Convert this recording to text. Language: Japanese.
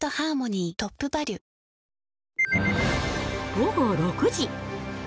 午後６時。